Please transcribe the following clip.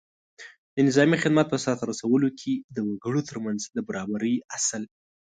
د نظامي خدمت په سرته رسولو کې د وګړو تر منځ د برابرۍ اصل